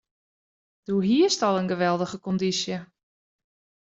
Doe hiest al in geweldige kondysje.